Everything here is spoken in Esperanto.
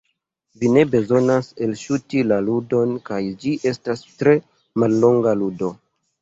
Vi ne bezonas elŝuti la ludon kaj ĝi estas tre mallonga ludo.